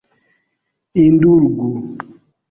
Indulgu!